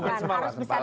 oh bukan sempalan